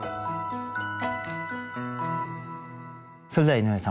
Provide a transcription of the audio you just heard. それでは井上さん